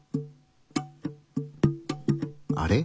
あれ？